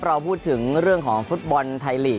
เราพูดถึงเรื่องของฟุตบอลไทยลีก